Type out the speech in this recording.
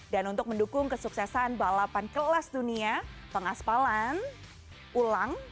dan untuk mendukung kesuksesan balapan kelas dunia pengaspalan ulang